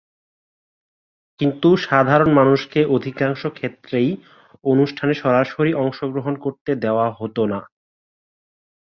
কিন্তু সাধারণ মানুষকে অধিকাংশ ক্ষেত্রেই অনুষ্ঠানে সরাসরি অংশগ্রহণ করতে দেওয়া হত না।